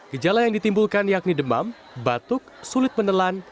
gejala yang ditimbulkan yakni demam batuk sulit menelan